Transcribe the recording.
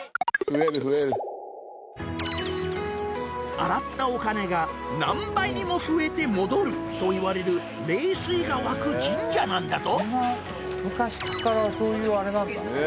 洗ったお金が何倍にも増えて戻るといわれる霊水がわく神社なんだと昔からそういうあれなんだ。